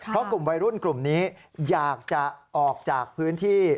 เพราะกลุ่มวัยรุ่นกลุ่มนี้อยากจะออกจากพื้นที่